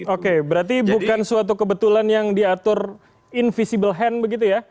oke berarti bukan suatu kebetulan yang diatur invisible hand begitu ya